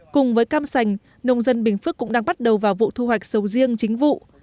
cùng với cam sành nông dân bình phước cũng đang bắt đầu vào vụ thu hoạch sầu riêng chính vụ